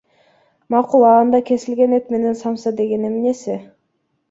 Макул, а анда кесилген эт менен самса дегени эмнеси?